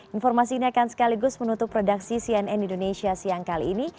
informasi ini akan sekaligus menutup redaksi cnn indonesia siang kali ini